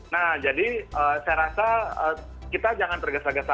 nah jadi saya rasa kita jangan tergesa gesa